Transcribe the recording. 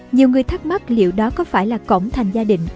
nhiều người thắc mắc liệu đó có phải là cổng thành gia đình